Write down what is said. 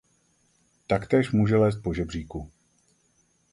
Taktéž může lézt po žebříku.